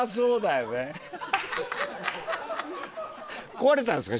壊れたんですか？